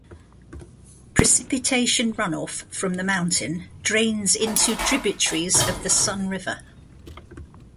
Precipitation runoff from the mountain drains into tributaries of the Sun River.